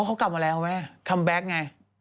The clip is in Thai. อ๋อเค้ากลับมาแล้วไว้คัมแบ็คไง